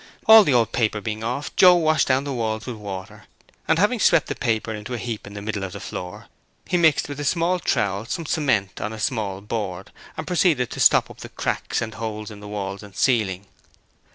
All the old paper being off, Joe washed down the walls with water, and having swept the paper into a heap in the middle of the floor, he mixed with a small trowel some cement on a small board and proceeded to stop up the cracks and holes in the walls and ceiling.